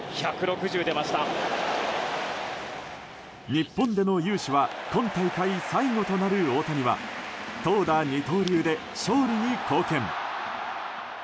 日本での雄姿は今大会最後となる大谷は投打二刀流で勝利に貢献。